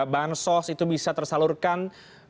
bahan sos itu bisa tersalurkan